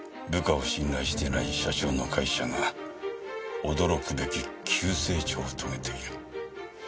部下を信頼していない社長の会社が驚くべき急成長を遂げている。